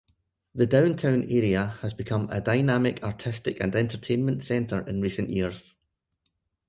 The downtown area has become a dynamic artistic and entertainment center in recent years.